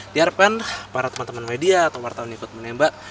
di harapan para teman teman media atau wartawan yang ikut menembak